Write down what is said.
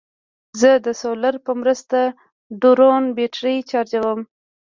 زه د سولر په مرسته ډرون بیټرۍ چارجوم.